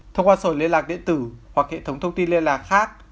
thông qua sổi liên lạc điện tử hoặc hệ thống thông tin liên lạc khác